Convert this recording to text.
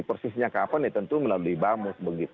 persisnya ke apa tentu melalui bamus